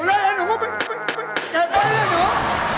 ไปเก็บเลย